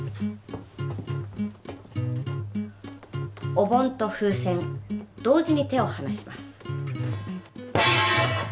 お盆と風船同時に手を離します。